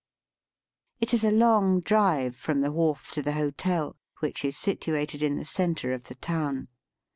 It is a long drive from the wharf to the hotel, which is situated in the centre of the town.